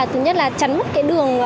thứ nhất là chắn mất cái đường